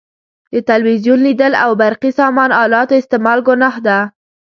د تلویزیون لیدل او برقي سامان الاتو استعمال ګناه ده.